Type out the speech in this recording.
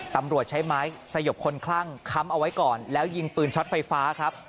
ตำรวจใช้ไม้สยบคนคลั่งค้ำเอาไว้ก่อนแล้วยิงปืนช็อตไฟฟ้าครับ